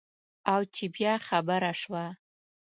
او چې بیا خبره شوه.